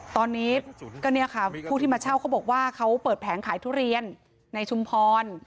ตอนนี้ก็เนี่ยค่ะผู้ที่มาเช่าเขาบอกว่าเขาเปิดแผงขายทุเรียนในชุมพร